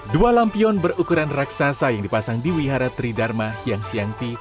dua lampion berukuran raksasa yang dipasang di wihara tridharma hyangsiangti